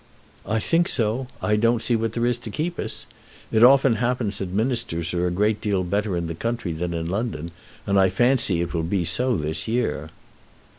"I think so. I don't see what there is to keep us. It often happens that ministers are a great deal better in the country than in London, and I fancy it will be so this year."